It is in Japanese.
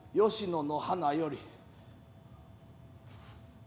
吉野の花より」。